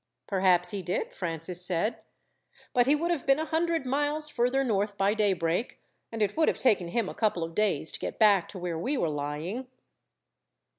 "Perhaps he did," Francis said; "but he would have been a hundred miles further north by daybreak, and it would have taken him a couple of days to get back to where we were lying."